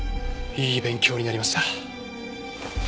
いい勉強になりました。